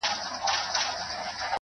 د وجود ساز ته یې رگونه له شرابو جوړ کړل.